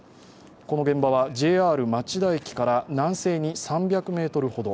この現場はＪＲ町田駅から南西に３００ｍほど。